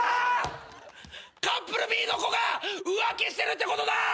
カップルＢの子が浮気してるってことだ。